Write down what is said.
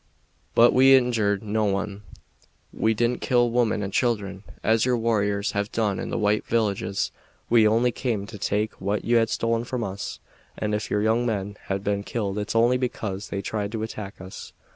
"But we injured no one. We didn't kill women and children, as your warriors have done in the white villages. We only came to take what you had stolen from us, and ef your young men have been killed it's only because they tried to attack us."